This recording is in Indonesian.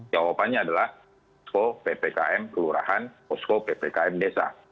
jawabannya adalah osko ppkm kelurahan osko ppkm desa